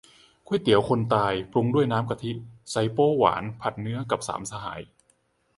ก๋วยเตี๋ยวคนตาย ปรุงด้วยน้ำกะทิ ไชโป๊วหวาน เนื้อผัด กับสามสหาย